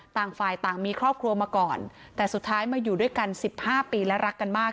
ต่างฝ่ายต่างมีครอบครัวมาก่อนแต่สุดท้ายมาอยู่ด้วยกัน๑๕ปีและรักกันมาก